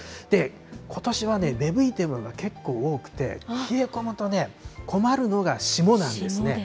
ことしはね、芽吹いてるのがけっこう多くて、冷え込むとね、困るのが霜なんです。